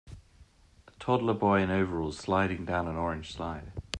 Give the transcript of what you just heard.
A toddler boy in overalls sliding down an orange slide